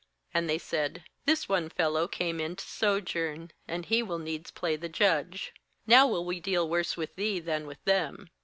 And they said: 'This one fellow came in to sojourn, and he will needs play the judge; now will we deal worse with thee, than with them.'